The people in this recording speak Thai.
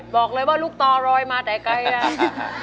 บอกเลยลูกต่อรอยมาใกล้